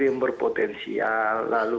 yang berpotensial lalu